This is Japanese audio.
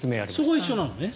そこは一緒なのね。